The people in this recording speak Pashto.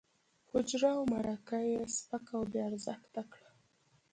حجره او مرکه یې سپکه او بې ارزښته کړه.